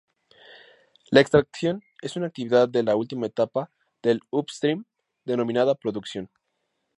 La extracción es una actividad de la última etapa del "upstream", denominada producción.